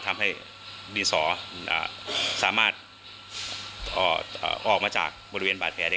ทำให้ดินสอสามารถออกมาจากบริเวณบาดแผลได้